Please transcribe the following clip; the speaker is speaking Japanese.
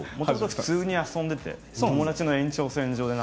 普通に遊んでいて友達の延長線上で。